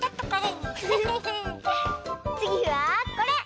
つぎはこれ。